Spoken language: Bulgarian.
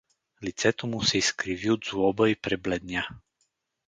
Лицето му се изкриви от злоба и пребледня.